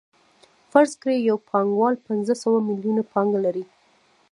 فرض کړئ یو پانګوال پنځه سوه میلیونه پانګه لري